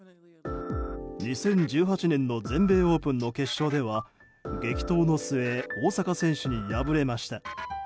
２０１８年の全米オープンの決勝では激闘の末大坂選手に敗れました。